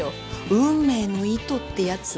運命の糸ってやつね